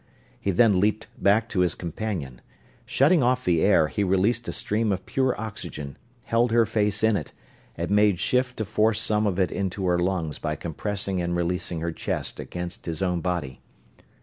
He then leaped back to his companion. Shutting off the air, he released a stream of pure oxygen, held her face in it, and made shift to force some of it into her lungs by compressing and releasing her chest against his own body.